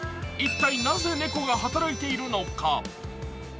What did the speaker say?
一体なぜ猫が働いているのか？